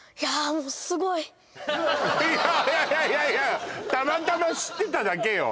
もういやいやいやいやたまたま知ってただけよ